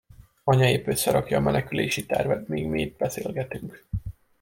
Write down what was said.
Anya épp összerakja a menekülési tervet, míg mi itt beszélgetünk.